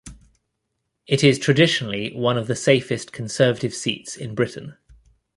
It is traditionally one of the safest Conservative seats in Britain.